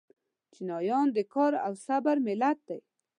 چینایان د کار او صبر ملت دی.